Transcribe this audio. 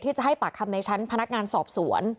จะให้ปากคำในชั้นพนักงานสอบสวน